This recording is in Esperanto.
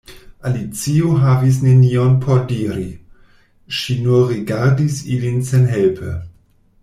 Alicio havis nenion por diri; ŝi nur rigardis ilin senhelpe.